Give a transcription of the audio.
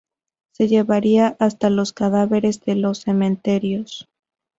Se llevarían hasta los cadáveres de los cementerios.